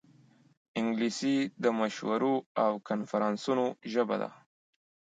انګلیسي د مشورو او کنفرانسونو ژبه ده